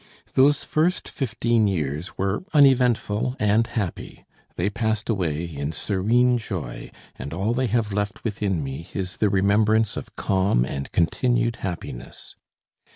Those first fifteen years were uneventful and happy. They passed away in serene joy, and all they have left within me is the remembrance of calm and continued happiness.